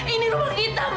ini rumah kita mas